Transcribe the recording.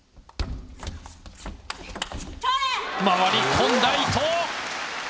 回り込んだ伊藤。